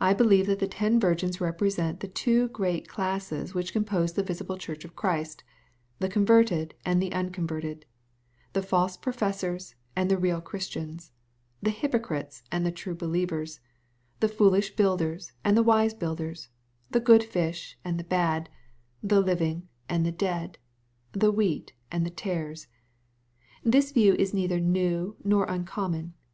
I believe that the ten virgins represent the two great classes which compose the visible Church of Christ, the converted and the uncon verted, the false professors and the real Christians, the hypocrites and the true believers, the foolish builders and the wise builders, the good fish and the bad, the hving and the dead, the wheat and the tare& This view is neither new nor uncommon.